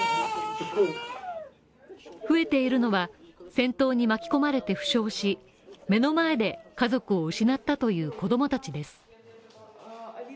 増えているのは、戦闘に巻き込まれて負傷し目の前で家族を失ったという子供たちです。